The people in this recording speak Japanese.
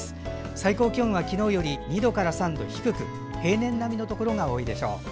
最高気温は昨日より２度から３度低く平年並みのところが多いでしょう。